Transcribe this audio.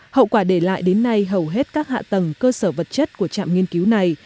hậu quả để lại đến nay hầu hết các hạ tầng cơ sở vật chất của trạm nghiên cứu này